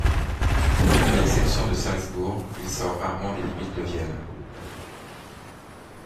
À l'exception de Salzbourg, il sort rarement des limites de Vienne.